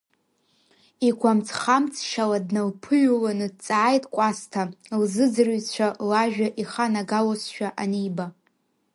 Игәамҵ-хамҵшьала дналԥыҩланы дҵааит Кәасҭа, лзыӡырҩцәа лажәа иханагалозшәа аниба.